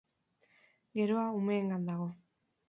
Geroa umeengan dago.